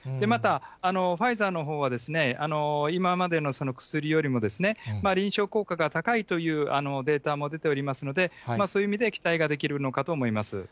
また、ファイザーのほうは、今までの薬よりも臨床効果が高いというデータも出ておりますので、そういう意味では期待ができるのかなと思います。